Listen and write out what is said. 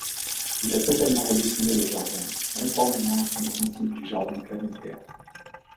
Il a totalement redessiné le jardin, conformément à son principe du jardin planétaire.